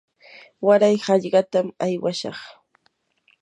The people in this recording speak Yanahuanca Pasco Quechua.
waray hallqatam aywashaq.